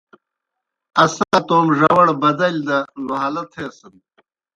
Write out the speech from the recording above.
اس تومہ ڙاروڑ بَدلِیلیْ دہ لُہالہ تھیسَن۔